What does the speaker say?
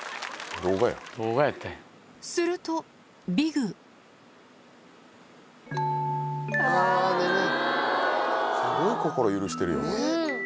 するとビグすごい心許してるよ。